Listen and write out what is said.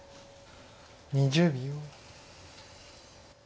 ２０秒。